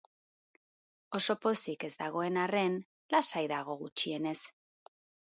Oso pozik ez dagoen arren, lasai dago, gutxienez.